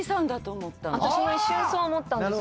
私も一瞬そう思ったんです。